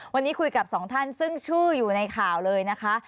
วันนี้คุยกับสองท่านซึ่งชื่ออยู่ในข่าวเลยนะคะ